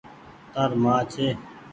تآر مان ڇي ۔